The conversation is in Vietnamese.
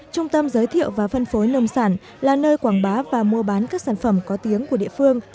trung tâm giới thiệu và phân phối nông sản là nơi quảng bá và mua bán các sản phẩm có tiếng của địa phương